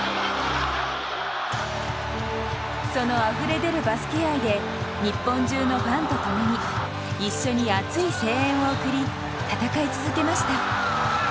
そのあふれ出るバスケ愛で日本中のファンと共に一緒に熱い声援を送り戦い続けました。